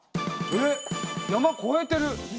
えっ山越えてる。